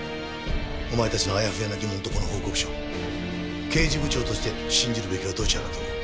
お前達のあやふやな疑問とこの報告書刑事部長として信じるべきはどちらだと思う？